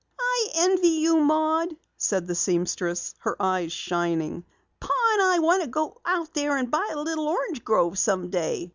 "I envy you, Maud," said the seamstress, her eyes shining. "Pa and I want to go out there and buy a little orange grove someday.